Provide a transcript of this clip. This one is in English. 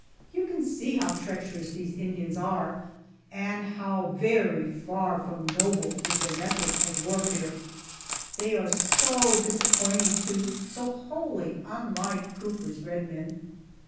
You can see how treacherous these Indians are, and how very far from noble is their method of warfare! They are so disappointing, too so wholly unlike Cooper's red men.